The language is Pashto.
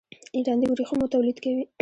ایران د ورېښمو تولید کوي.